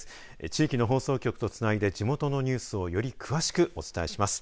地域の放送局とつないで地元のニュースをより詳しくお伝えします。